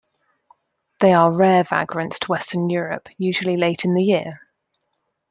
They are rare vagrants to western Europe, usually late in the year.